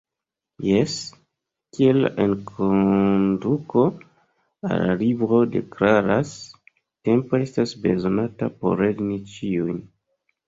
Jes, kiel la enkonduko al la libro deklaras: “Tempo estos bezonata por lerni ĉiujn”.